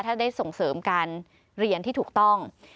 ถ้าได้ส่งเสริมการเรียนที่ถูกต้อง